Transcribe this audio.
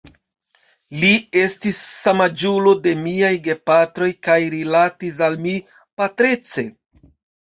Li estis samaĝulo de miaj gepatroj kaj rilatis al mi patrece.